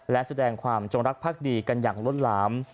และแสดงความจงรักภักดีกันอย่างล้นหลาม